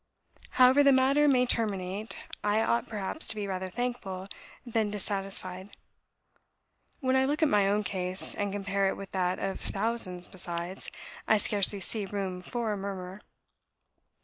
... However the matter may terminate, I ought perhaps to be rather thankful than dissatisfied. When I look at my own case, and compare it with that of thousands besides, I scarcely see room for a murmur.